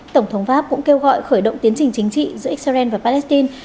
tổng thống pháp cũng kêu gọi khởi động tiến trình chính trị giữa israel và palestine